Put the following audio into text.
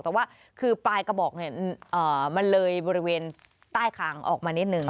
แต่ว่าคือปลายกระบอกมันเลยบริเวณใต้คางออกมานิดนึง